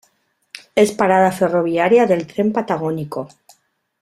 Es parada ferroviaria del Tren Patagónico.